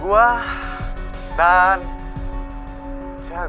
gua lagi sedang masalah dengan teman teman band gua